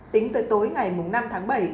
tính tới tối ngày năm tháng bảy